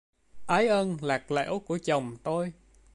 Ái ân lạt lẽo của chồng tôi